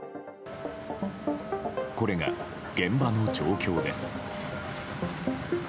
これが現場の状況です。